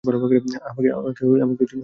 আমাকে ক্ষমা কোরো।